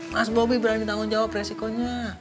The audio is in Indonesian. mas bobi berani tanggung jawab resikonya